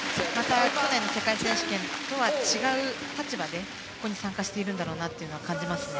去年の世界選手権とは違う立場でここに参加しているんだなと感じますよね。